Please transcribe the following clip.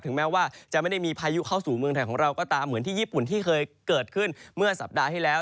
แม้ว่าจะไม่ได้มีพายุเข้าสู่เมืองไทยของเราก็ตามเหมือนที่ญี่ปุ่นที่เคยเกิดขึ้นเมื่อสัปดาห์ที่แล้ว